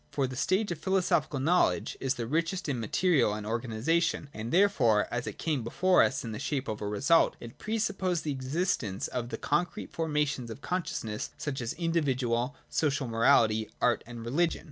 For the stage of philosophical know ledge is the richest in material and organisation, and therefore, as it came before us in the shape of a result, it pre supposed the existence of the concrete formations 25.] CRITICISM OF CATEGORIES. 59 of consciousness, such as individual and social morality, art and religion.